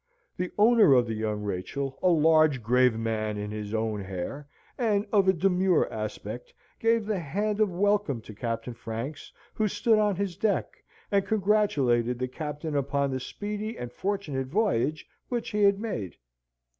The owner of the Young Rachel, a large grave man in his own hair, and of a demure aspect, gave the hand of welcome to Captain Franks, who stood on his deck, and congratulated the captain upon the speedy and fortunate voyage which he had made.